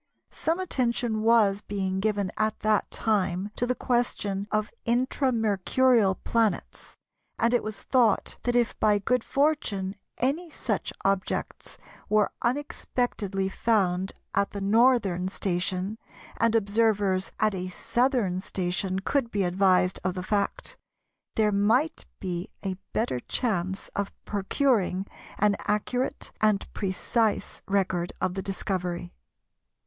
Some attention was being given at that time to the question of Intra Mercurial planets, and it was thought that if by good fortune any such objects were unexpectedly found at the northern station, and observers at a southern station could be advised of the fact, there might be a better chance of procuring an accurate and precise record of the discovery.